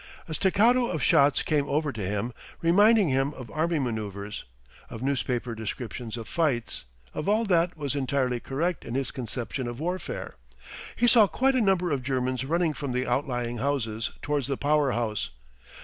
A staccato of shots came over to him, reminding him of army manoeuvres, of newspaper descriptions of fights, of all that was entirely correct in his conception of warfare. He saw quite a number of Germans running from the outlying houses towards the power house.